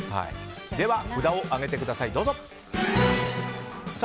では札を上げてください、どうぞ。